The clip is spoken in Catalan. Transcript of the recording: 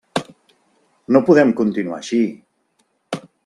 No podem continuar així.